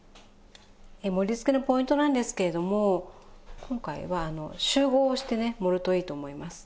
盛り付けのポイントなんですけれども今回はあの集合してね盛るといいと思います。